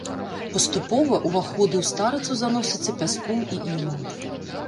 Паступова ўваходы ў старыцу заносяцца пяском і ілам.